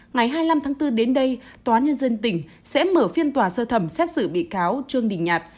ngày hai mươi năm tháng bốn đến đây tòa nhân dân tỉnh sẽ mở phiên tòa sơ thẩm xét xử bị cáo trương đình nhạt